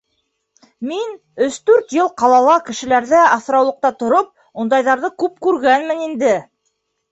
Мин, өс-дүрт йыл ҡалала кешеләрҙә аҫраулыҡта тороп, ундайҙарҙы күп күргәнмен инде.